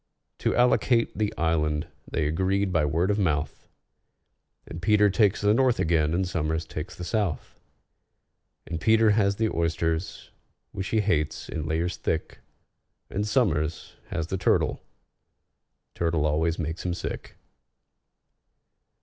To allocate the island they agreed by word of mouth, And PETER takes the north again, and SOMERS takes the south; And PETER has the oysters, which he hates, in layers thick, And SOMERS has the turtle—turtle always makes him sick.